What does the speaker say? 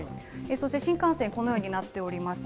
そして、新幹線、このようになっております。